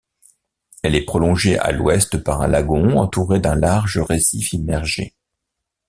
Elle est prolongée à l'ouest par un lagon entouré d'un large récif immergé.